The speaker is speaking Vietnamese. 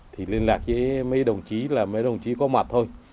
thì liên lạc với mấy đồng chí là mấy đồng chí có mặt thôi